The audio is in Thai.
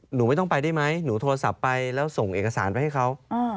หนูไม่ต้องไปได้ไหมหนูโทรศัพท์ไปแล้วส่งเอกสารไปให้เขา